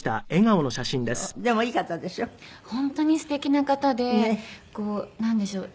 本当にすてきな方でこうなんでしょう？